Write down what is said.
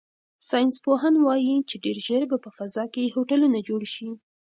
ساینس پوهان وایي چې ډیر ژر به په فضا کې هوټلونه جوړ شي.